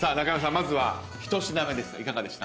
まずは１品目でした。